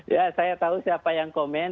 ya saya tahu siapa yang komen